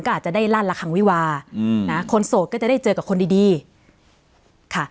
ก็อาจจะได้ลั่นละคังวิวาอืมนะคนโสดก็จะได้เจอกับคนดีดีค่ะ